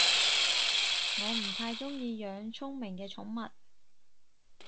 我唔太鍾意養聰明嘅寵物